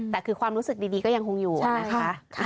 แต่คือความรู้สึกดีก็ยังคงอยู่นะคะ